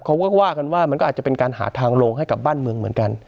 เขาก็ว่ากันว่ามันก็อาจจะเป็นการหาทางลงให้กับบ้านเมืองเหมือนกัน